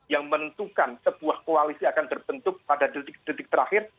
yang menentukan sebuah koalisi akan terbentuk pada detik detik terakhir